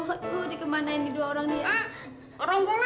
aduh dikemanain nih dua orang nih